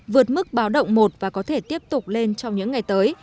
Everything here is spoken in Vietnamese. vượt mức báo động một và có thể tiếp tục lên trong những ngày tới